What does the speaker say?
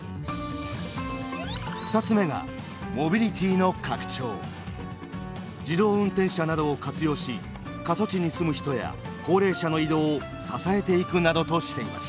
２つ目が自動運転車などを活用し過疎地に住む人や高齢者の移動を支えていくなどとしています。